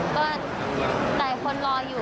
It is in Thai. ก็หลายคนรออยู่